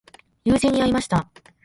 友人に会いました。